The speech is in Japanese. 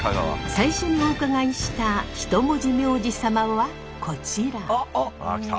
最初にお伺いした一文字名字サマはこちら。